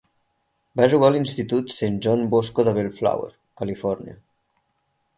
Va jugar a l'institut Saint John Bosco de Bellflower, Califòrnia.